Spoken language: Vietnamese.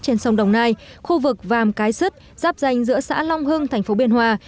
trên sông đồng nai khu vực vàm cái sứt giáp danh giữa xã long hưng thành phố biên hòa